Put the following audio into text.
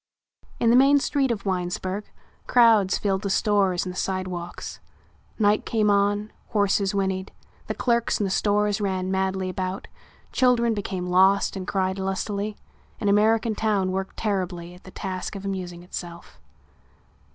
In the main street of Winesburg crowds filled the stores and the sidewalks. Night came on, horses whinnied, the clerks in the stores ran madly about, children became lost and cried lustily, an American town worked terribly at the task of amusing itself.